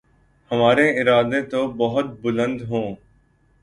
ہمارے ارادے تو بہت بلند ہوں۔